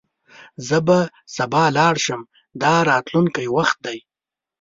زه به سبا لاړ شم – دا راتلونکی وخت دی.